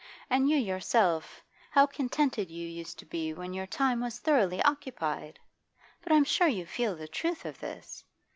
And you yourself, how contented you used to be when your time was thoroughly occupied! But I'm sure you feel the truth of this.